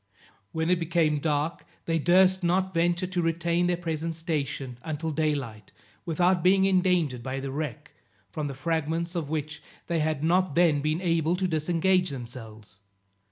When it became dark they durst not venture to retain their present station until day light without being endangered by the wreck, from the fragments of which they had not then been able to disengage themselves.